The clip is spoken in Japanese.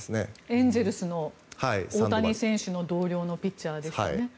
エンゼルスの大谷選手の同僚のピッチャーでしたね。